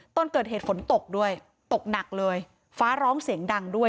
ตอนเกิดเหตุฝนตกด้วยตกหนักเลยฟ้าร้องเสียงดังด้วย